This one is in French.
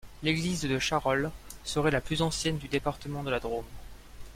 L'église de Charols serait la plus ancienne du département de la Drôme.